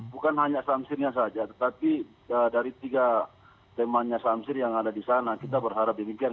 bukan hanya samsirnya saja tetapi dari tiga temanya samsir yang ada di sana kita berharap demikian